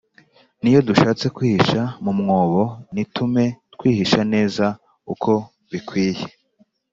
n’iyo dushatse kwihisha mu mwobo ntitume twihisha neza uko bikwiye.